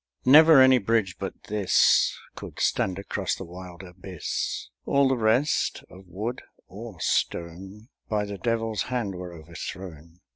Never any bridge but thisCould stand across the wild abyss; All the rest, of wood or stone, By the Devil's hand were overthrown.